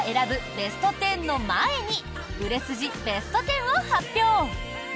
ベスト１０の前に売れ筋ベスト１０を発表。